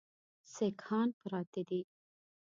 سیکهان پراته دي.